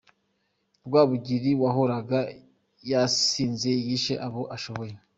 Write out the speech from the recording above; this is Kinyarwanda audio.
Rwabugiri wahoraga yasinze, yishe abo ashoboye.